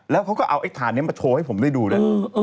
แล้วเขาก็เอาไอ้ถ่านนี้มาโชว์ให้ผมได้ดูนะ